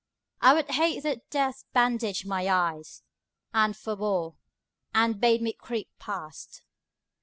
I would hate that death bandaged my eyes, and forbore, 15 And bade me creep past.